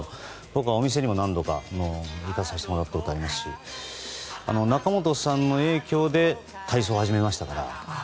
僕はお店にも何度か行かさせてもらったことありますし仲本さんの影響で体操を始めましたから。